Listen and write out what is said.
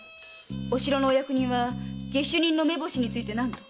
お城のお役人は下手人の目星について何と？